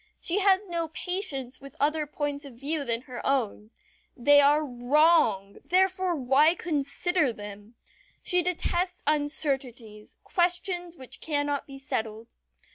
She has no patience with other points of view than her own. They are wrong therefore why consider them? She detests uncertainties questions which cannot be settled.